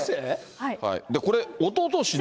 これ、おととしの。